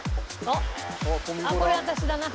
あっこれ私だな。